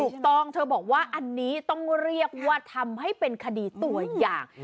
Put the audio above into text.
ถูกต้องเธอบอกว่าอันนี้ต้องเรียกว่าทำให้เป็นคดีตัวอย่าง